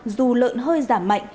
dù lợn hơi giảm mạnh